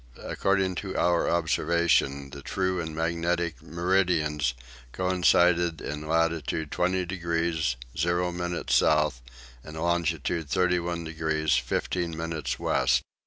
According to our observations the true and magnetic meridians coincided in latitude 20 degrees 0 minutes south and longitude 31 degrees 15 minutes west.